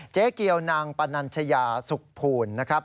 เจ๊เกียวนางปนัญชยาสุขภูลนะครับ